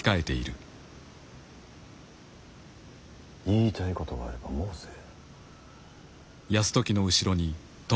言いたいことがあれば申せ。